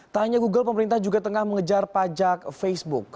tak hanya google pemerintah juga tengah mengejar pajak facebook